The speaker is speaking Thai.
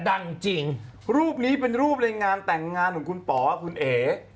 ดังจริงรูปนี้เป็นรูปในงานแต่งงานของคุณป๋อคุณเอ๋